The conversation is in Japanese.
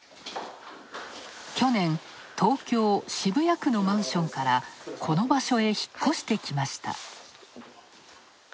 去年、東京・渋谷区のマンションからこの場所へ引っ越してきました。